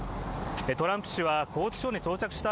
トランプ氏は拘置所に到着した